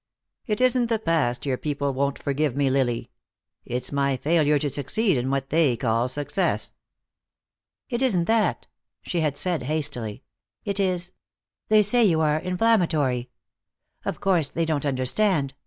"It isn't the past your people won't forgive me, Lily. It's my failure to succeed in what they call success." "It isn't that," she had said hastily. "It is they say you are inflammatory. Of course they don't understand.